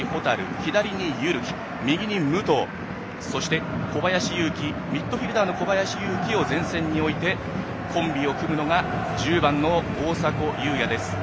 左に汰木、右に武藤ミッドフィールダーの小林祐希を前線に置いて、コンビを組むのが１０番の大迫勇也です。